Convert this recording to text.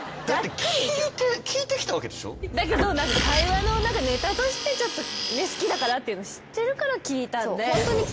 だけど会話のネタとして好きだからって知ってるから聞いたんで。